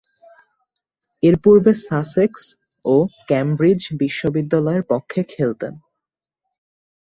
এরপূর্বে সাসেক্স ও কেমব্রিজ বিশ্ববিদ্যালয়ের পক্ষে খেলতেন।